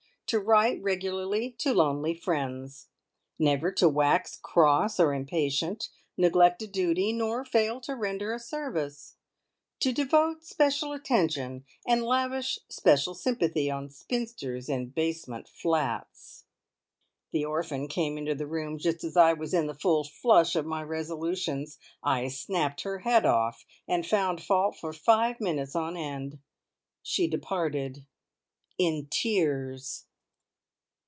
To write regularly to lonely friends. Never to wax cross or impatient, neglect a duty, nor fail to render a service. To devote special attention and lavish special sympathy on spinsters in basement flats. The orphan came into the room just as I was in the full flush of my resolutions. I snapped her head off, and found fault for five minutes on end. She departed in tears.